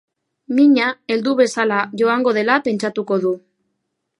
Mina heldu bezala joango dela pentsatuko du.